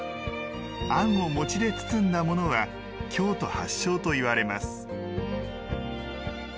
あんをもちで包んだものは京都発祥といわれます。